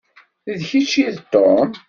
D kečč i d Tom?